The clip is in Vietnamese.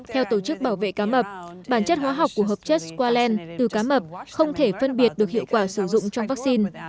theo tổ chức bảo vệ cá mập bản chất hóa học của hợp chất squalene từ cá mập không thể phân biệt được hiệu quả sử dụng trong vaccine